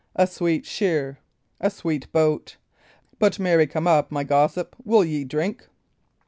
a sweet shear, a sweet boat! But marry come up, my gossip, will ye drink?